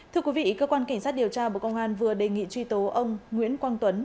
thưa quý vị cơ quan cảnh sát điều tra bộ công an vừa đề nghị truy tố ông nguyễn quang tuấn